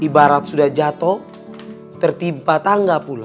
ibarat sudah jatuh tertimpa tangga pula